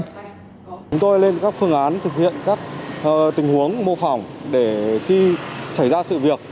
chúng tôi lên các phương án thực hiện các tình huống mô phỏng để khi xảy ra sự việc